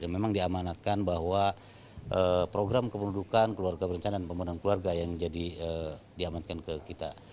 memang diamanatkan bahwa program kependudukan keluarga berencana dan pembangunan keluarga yang jadi diamankan ke kita